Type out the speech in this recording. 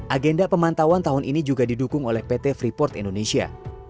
agenda pemantauan tahun ini juga didukung oleh pt freeport indonesia